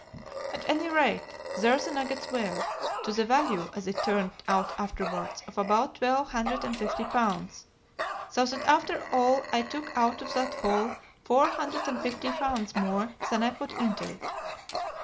"At any rate, there the nuggets were, to the value, as it turned out afterwards, of about twelve hundred and fifty pounds, so that after all I took out of that hole four hundred and fifty pounds more than I put into it.